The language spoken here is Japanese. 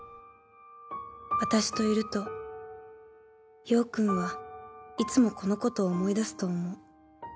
私といると、陽くんはいつもこのことを思い出すと思う。